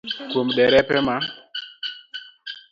Kuom derepe ma